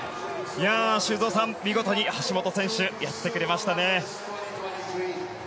修造さん、見事に橋本選手やってくれましたね。